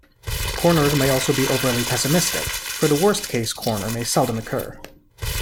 Corners may also be overly pessimistic, for the worst case corner may seldom occur.